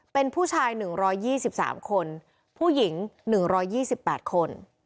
เป็นผู้ชายหนึ่งร้อยยี่สิบสามคนผู้หญิงหนึ่งร้อยยี่สิบแปดคน